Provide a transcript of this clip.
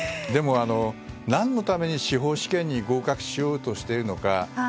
でも、何のために司法試験に合格しようとしているのか。